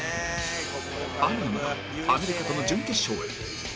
雨の中アメリカとの準決勝へ